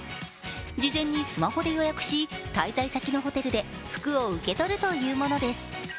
事前にスマホで予約し、滞在先のホテルで服を受け取るというものです。